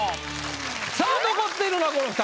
さぁ残っているのはこの２人。